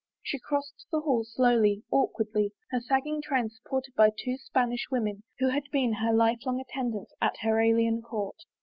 She crossed the hall slowly, awkwardly, her sagging train supported by the two Spanish women who had been her life long attendants at her alien court.